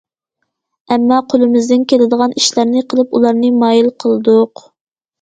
ئەمما قولىمىزدىن كېلىدىغان ئىشلارنى قىلىپ، ئۇلارنى مايىل قىلدۇق.